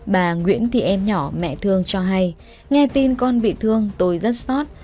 bà nguyễn thị em nhỏ mẹ thương cho hay nghe tin con bị thương tôi rất xót